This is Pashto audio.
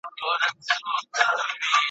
عاقبت به یې په غوښو تود تنور وي `